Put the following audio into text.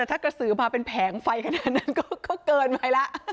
ถ้ากระสือมาเป็นแผงไฟขนาดนั้นก็เกินไปแล้ว